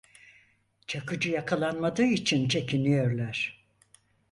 Çakıcı yakalanmadığı için çekiniyorlar…